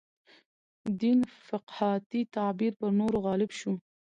دین فقاهتي تعبیر پر نورو غالب شو.